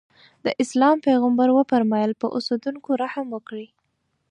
د اسلام پیغمبر وفرمایل په اوسېدونکو رحم وکړئ.